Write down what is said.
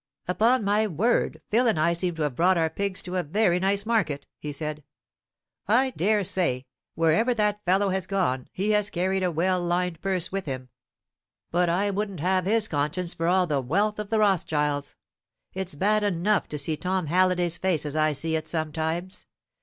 "Upon my word, Phil and I seem to have brought our pigs to a very nice market," he said. "I dare say, wherever that fellow has gone, he has carried a well lined purse with him. But I wouldn't have his conscience for all the wealth of the Rothschilds. It's bad enough to see Tom Halliday's face as I see it sometimes.